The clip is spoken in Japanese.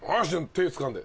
手つかんで。